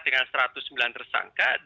dengan satu ratus sembilan tersangka